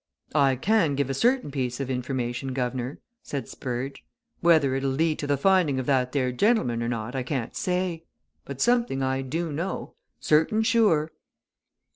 "I can give a certain piece of information, guv'nor," said Spurge. "Whether it'll lead to the finding of that there gentleman or not I can't say. But something I do know certain sure!"